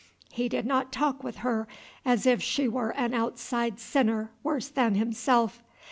He did not talk with her as if she were an outside sinner worse than himself.